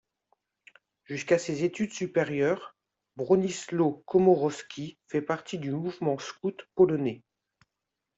Jusqu'à ses études supérieures, Bronisław Komorowski fait partie du mouvement scout polonais.